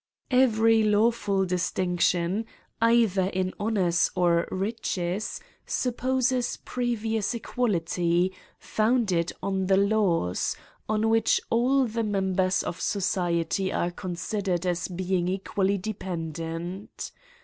Every lawful distinction, either in honours or riehes, supposes previous equality, founded on the laws, on which all the members of society are considered as being equally dependent.